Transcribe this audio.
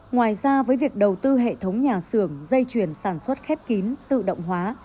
ngoài ra với việc đầu tư hệ thống nhà xưởng dây chuyển sản xuất khép kín tự động hóa